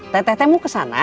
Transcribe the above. teh teh mau ke sana